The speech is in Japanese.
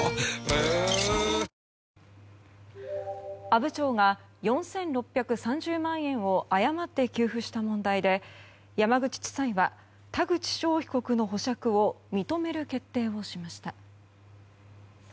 阿武町が４６３０万円を誤って給付した問題で山口地裁は田口翔被告の保釈を認める決定をしました。